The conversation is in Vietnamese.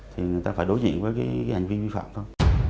thì người ta phải đối diện với cái hành vi vi phạm thôi